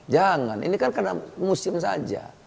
jangan ini kan karena musim saja